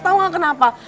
tau gak kenapa